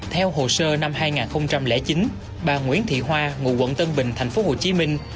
theo hồ sơ năm hai nghìn chín bà nguyễn thị hoa ngụ quận tân bình thành phố hồ chí minh